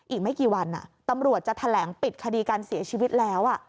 อีกไม่กี่วันตำรวจจะแถลงปิดคดีการเสียชีวิตแล้ว